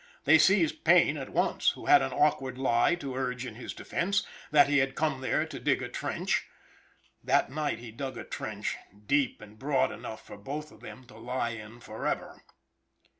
They seized Payne at once, who had an awkward lie to urge in his defense that he had come there to dig a trench. That night he dug a trench deep and broad enough for both of them to lie in forever.